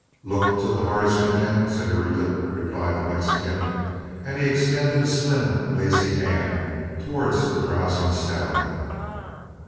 "Look till the heart is content, señorita," replied the Mexican, and he extended a slim, lazy hand towards the drowsing stallion.